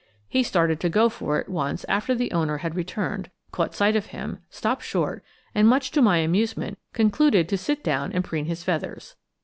He started to go for it once after the owner had returned, caught sight of him, stopped short, and much to my amusement concluded to sit down and preen his feathers!